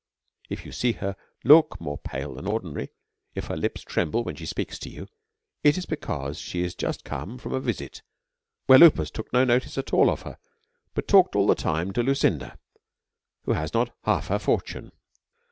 If you see her look more pale than ordinary, if her lips tremble when she speaks to you, it is be cause she is just come from a visit, where Lupus took no notice at all of her, but talked all th.e time to Lu cinda, who has not half her fortune.